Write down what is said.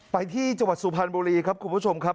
ไปที่จังหวัดสุพรรณบุรีครับคุณผู้ชมครับ